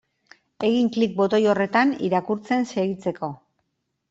Egin klik botoi horretan irakurtzen segitzeko.